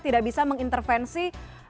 tidak bisa mengintervensi